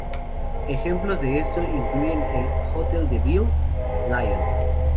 Ejemplos de esto incluyen el Hôtel de Ville, Lyon.